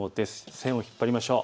線を引っ張りましょう。